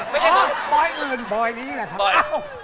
บอยอื่นบอยนี้แหละครับ